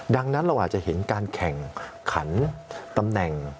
ดังนั้นเราอาจจะเห็นการแข่งขันตำแหน่ง